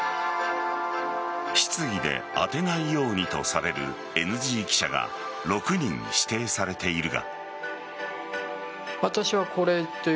質疑で当てないようにとされるＮＧ記者が６人指定されているが。